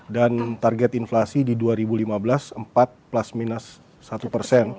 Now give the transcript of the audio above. dan target inflasi di dua ribu empat belas sebesar empat lima plus minus satu